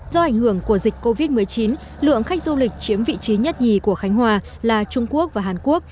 do ảnh hưởng của dịch covid một mươi chín lượng khách du lịch chiếm vị trí nhất nhì của khánh hòa là trung quốc và hàn quốc